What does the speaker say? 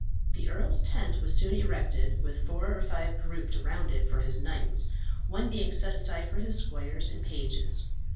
The earl's tent was soon erected, with four or five grouped around it for his knights, one being set aside for his squires and pages.